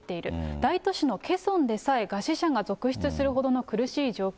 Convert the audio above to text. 大都市のケソンでさえ餓死者が続出するほどの苦しい状況。